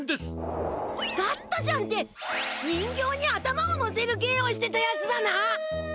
ガッタちゃんって人形に頭をのせるげいをしてたやつだな。